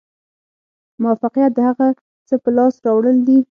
موفقیت د هغه څه په لاس راوړل دي.